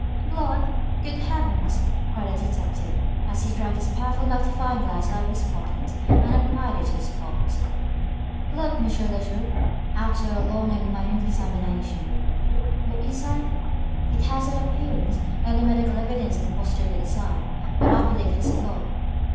"Blood! Good Heavens!" cried the detective, as he dragged his powerful magnifying glass out of his pocket and applied it to the spot. "Look, M. le Juge," he added, after a long and minute examination. "What say you?" "It has that appearance. Only medical evidence can positively decide, but I believe it is blood."